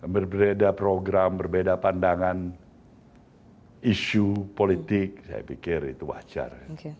berbeda program berbeda pandangan isu politik saya pikir itu wajar